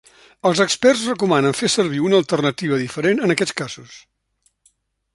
Els experts recomanen fer servir una alternativa diferent en aquests casos.